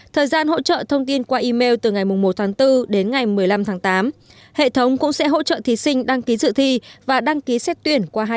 thời gian hỗ trợ thông tin qua email từ ngày một tháng bốn đến ngày một mươi năm tháng tám hệ thống cũng sẽ hỗ trợ thí sinh đăng ký dự thi và đăng ký dự thi